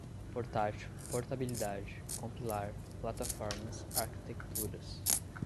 portátil, portabilidade, compilar, plataformas, arquitecturas